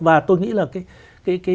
và tôi nghĩ là cái